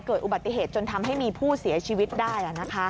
เกิดอุบัติเหตุจนทำให้มีผู้เสียชีวิตได้